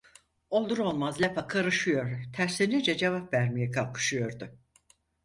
Olur olmaz lafa karışıyor, terslenince cevap vermeye kalkışıyordu.